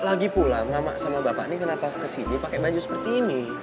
lagi pulang mama sama bapak ini kenapa kesini pakai baju seperti ini